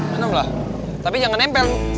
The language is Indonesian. minumlah tapi jangan nempel